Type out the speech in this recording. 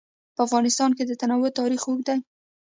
په افغانستان کې د تنوع تاریخ اوږد دی.